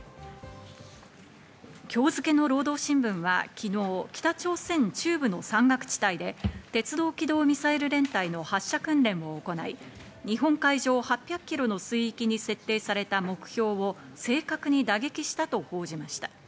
今日付の労働新聞は、昨日、北朝鮮中部の山岳地帯で、鉄道機動ミサイル連隊の発射訓練を行い、日本海上８００ｋｍの水域に設定された目標を正確に打撃したと報じました。